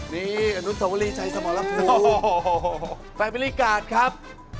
นี่อนุสมรีชัยสมรพลูฟับบิลลี่การ์ดครับ